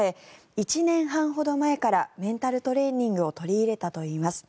１年半ほど前からメンタルトレーニングを取り入れたといいます。